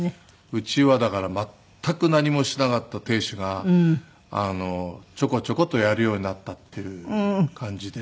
うちはだから全く何もしなかった亭主がちょこちょことやるようになったっていう感じで。